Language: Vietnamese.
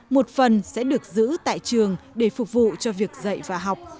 một phần sẽ được giữ tại trường để phục vụ cho việc dạy và học